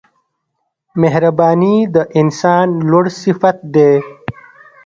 • مهرباني د انسان لوړ صفت دی.